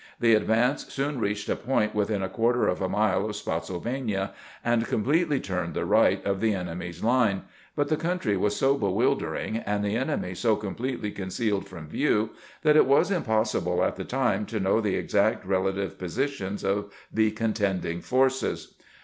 The advance soon reached a point within a quarter of a mUe of Spottsylvania, and completely turned the right of the enemy's line ; but the country was so bewildering, and the enemy so com pletely concealed from view, that it was impossible at the time to know the exact relative positions of the eon tending forces.